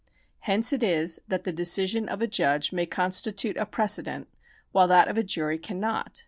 Hence it is that the decision of a judge may constitute a precedent, while that of a jury cannot.